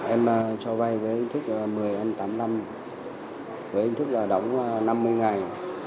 em cho vay với ý thức một mươi tám năm với ý thức đóng năm mươi ngày